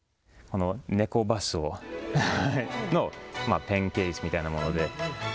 この、ネコバスのペンケースみたいなもので。